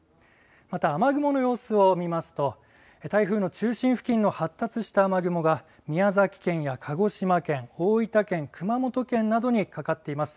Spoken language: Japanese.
また雨雲の様子を見ますと台風の中心付近の発達した雨雲が宮崎県や鹿児島県、大分県、熊本県などにかかっています。